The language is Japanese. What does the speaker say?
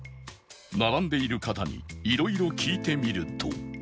並んでいる方にいろいろ聞いてみると